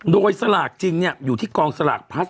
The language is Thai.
๒๙๗๑๑โดยสลากจริงเนี่ยอยู่ที่กองสลากพัสท์